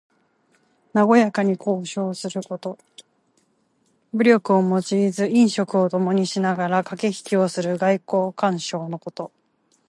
なごやかに交渉すること。武力を用いず飲食をともにしながらかけひきをする外交交渉のこと。